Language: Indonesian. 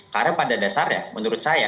karena pada dasarnya menurut saya